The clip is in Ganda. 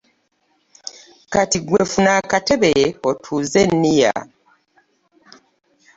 Kati gwe fuuna akatebbe, otuuze niya.